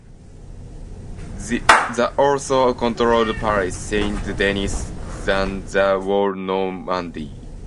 The also controlled Paris, Saint-Denis and the whole Normandy.